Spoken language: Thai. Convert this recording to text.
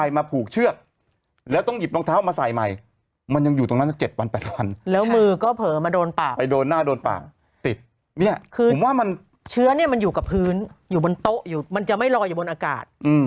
อยู่บนโต๊ะอยู่มันจะไม่รออยู่บนอากาศ